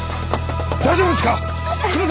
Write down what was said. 大丈夫ですか？